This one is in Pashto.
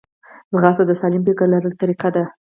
ځغاسته د سالم فکر لرلو طریقه ده